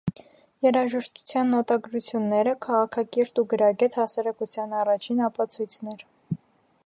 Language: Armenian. Երաժշտության նոտագրությունները քաղաքակիրթ ու գրագետ հասարակության առաջին ապացույցն էր։